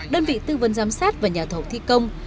đơn vị tư vấn giám sát và nhà thầu thi công